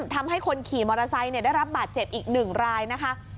ทำให้คนขี่มอเตอร์ไซค์ได้รับบาดเจ็บอีก๑รายนะคะ